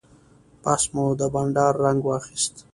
بحث مو د بانډار رنګ واخیست.